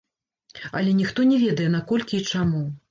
Але ніхто не ведае на колькі і чаму.